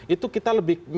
itu kita lebih